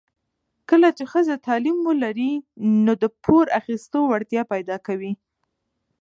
کله چې ښځه تعلیم ولري، نو د پور اخیستو وړتیا پیدا کوي.